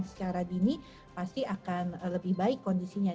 secara dini pasti akan lebih baik kondisinya